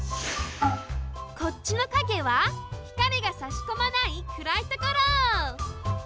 こっちの陰はひかりがさしこまないくらいところ。